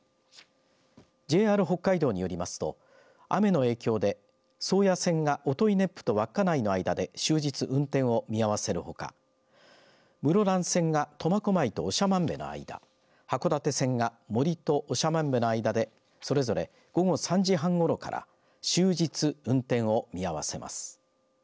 ＪＲ北海道によりますと雨の影響で宗谷線が音威子府と稚内の間で終日運転を見合わせるほか室蘭線が苫小牧と長万部の間函館線がもりと長万部の間でそれぞれ午後３時半ごろから終日運転を見合わせます。